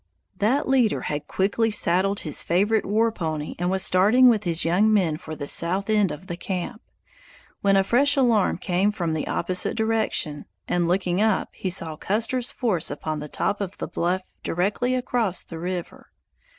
That leader had quickly saddled his favorite war pony and was starting with his young men for the south end of the camp, when a fresh alarm came from the opposite direction, and looking up, he saw Custer's force upon the top of the bluff directly across the river.